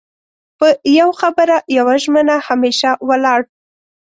په يو خبره يوه ژمنه همېشه ولاړ